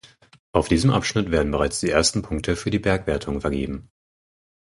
Auf diesem Abschnitt werden bereits die ersten Punkte für die Bergwertung vergeben.